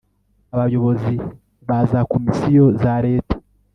Abayobozi ba za Komisiyo za leta